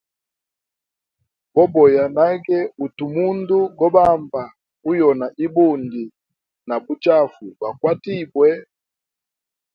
Boboya nage utu mundu go bamba uyona ibundi na buchafu gwa kwatibwe.